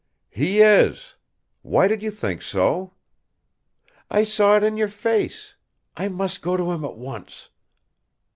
"He is! Why did you think so?" "I saw it in your face. I must go to him at once."